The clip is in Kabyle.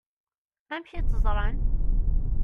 Amek i tt-ẓṛan?